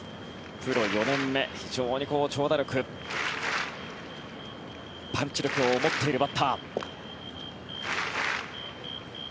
プロ４年目、非常に長打力パンチ力を持っているバッター。